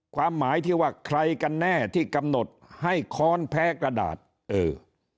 ความหมายที่ว่าใครกันแน่ที่กำหนดให้ค้อนแพ้กระดาษเออ